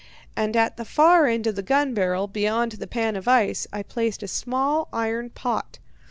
And at the far end of the gun barrel, beyond the pan of ice, I placed a small iron pot.